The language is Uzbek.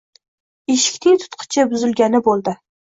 Eshikning tutqichi buzilgani boʻldi.